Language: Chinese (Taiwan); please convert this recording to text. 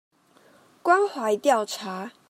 關懷調查